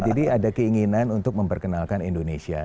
jadi ada keinginan untuk memperkenalkan indonesia